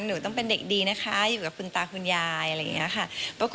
หนูต้องเป็นเด็กดีนะคะอยู่กับคุณตาคุณยายอะไรอย่างนี้ค่ะ